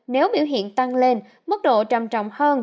nếu biểu hiện tăng lên mức độ trầm trọng hơn